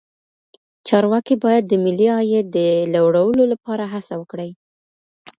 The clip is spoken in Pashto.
چارواکي باید د ملي عاید د لوړولو لپاره هڅه وکړي.